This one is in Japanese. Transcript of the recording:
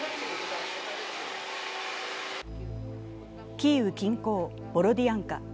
キーウ近郊ボロディアンカ。